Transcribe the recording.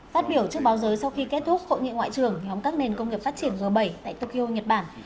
phát biểu trước báo giới sau khi kết thúc hội nghị ngoại trưởng nhóm các nền công nghiệp phát triển g bảy tại tokyo nhật bản